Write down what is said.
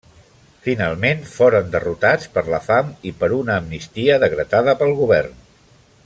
Finalment foren derrotats per la fam i per una amnistia decretada pel govern.